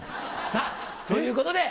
さあ、ということで。